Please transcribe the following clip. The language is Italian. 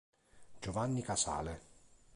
Giovanni Casale